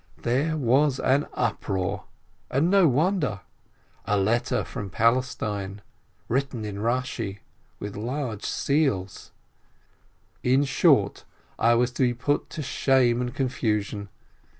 There was an uproar, and no wonder ! A letter from Palestine, written in Eashi, 43 with large seals! In short I was to be put to shame and confusion.